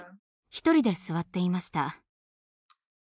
一人で座っていました。